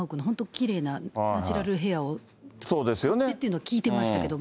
きれいなナチュラルヘアを使ってというのは聞いてましたけど。